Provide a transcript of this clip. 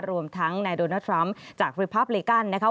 รวมทั้งไนโดนัททรัมป์จากริพับเลกันนะคะ